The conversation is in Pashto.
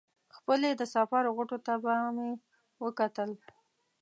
خپلې د سفر غوټو ته به مې وکتل.